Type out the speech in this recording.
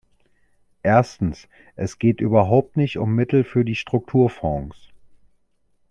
Erstens, es geht überhaupt nicht um Mittel für die Strukturfonds.